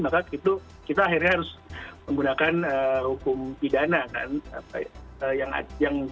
maka itu kita akhirnya harus menggunakan hukum pidana kan